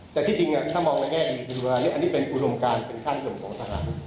แต่ที่จริงถ้ามองในแง่ดีคือว่าอันนี้เป็นอุดมการเป็นค่านิยมของตลาด